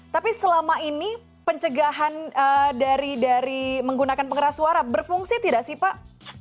tapi selama ini pencegahan dari menggunakan pengeras suara berfungsi tidak sih pak